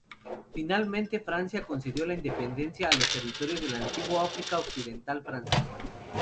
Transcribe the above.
Finalmente, Francia concedió la independencia a los territorios del antiguo África Occidental Francesa.